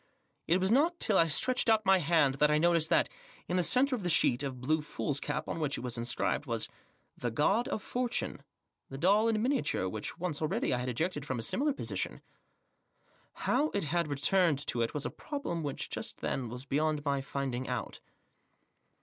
It was not till I stretched out my hand that I noticed that, in the centre of the sheet of blue foolscap on which it was inscribed, was— the God of Fortune, the doll in minia ture which, once already, I had ejected from a similar position. How it had returned to it was a problem which, just then, was beyond my finding out.